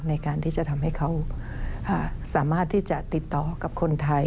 ในการที่จะทำให้เขาสามารถที่จะติดต่อกับคนไทย